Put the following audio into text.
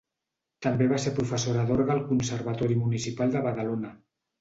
També va ser professora d'orgue al Conservatori Municipal de Badalona.